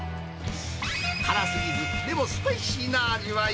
辛すぎず、でもスパイシーな味わい。